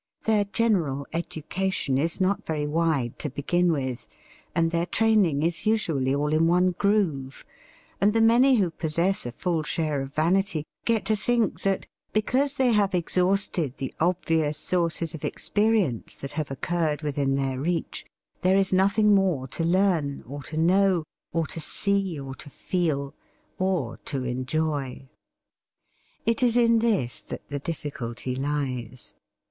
Their general education is not very wide to begin with, and their training is usually all in one groove, and the many who possess a full share of vanity get to think that, because they have exhausted the obvious sources of experience that have occurred within their reach, there is nothing more to learn, or to know, or to see, or to feel, or to enjoy. It is in this that the difficulty lies.